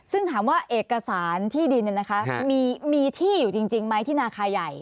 ซึ่งถามว่าเอกสารที่ดินมีที่อยู่จริงไหมที่นาคาใหญ่